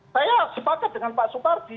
saya sepakat dengan pak supardi